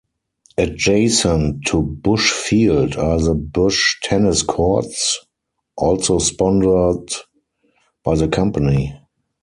Adjacent to Busch Field are the Busch Tennis Courts, also sponsored by the company.